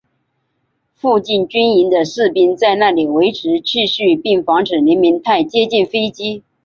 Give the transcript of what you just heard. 附近军营的士兵在那里维持秩序并防止人们太接近飞机。